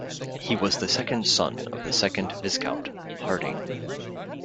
He was the second son of the second Viscount Hardinge.